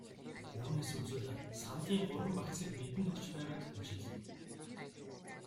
Үүнээс үзвэл саналын гурван багцыг бидэнд өгч байгааг ажиглав.